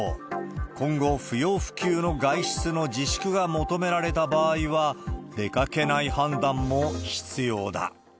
今後、不要不急の外出の自粛が求められた場合は、出かけない判断も必要だ。